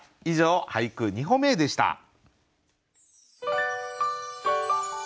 以上「俳句、二歩目へ」でした。